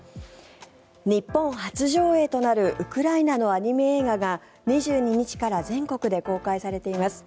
日本初上映となるウクライナのアニメ映画が２２日から全国で公開されています。